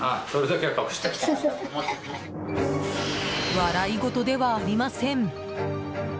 笑い事ではありません。